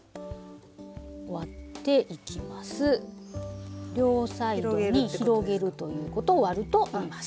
そして両サイドに広げるということを「割る」といいます。